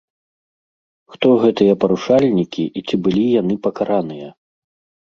Хто гэтыя парушальнікі і ці былі яны пакараныя?